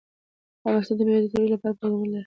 افغانستان د مېوې د ترویج لپاره پروګرامونه لري.